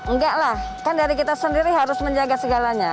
enggak lah kan dari kita sendiri harus menjaga segalanya